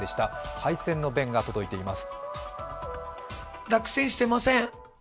敗戦の弁が届いています。